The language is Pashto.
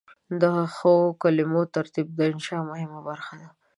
د ښو کلمو ترتیبول د انشأ مهمه برخه ده.